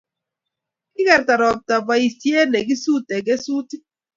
kikerta robta boisiet nekisute kesutik